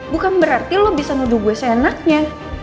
bukan berarti lo bisa nuduh gue seenaknya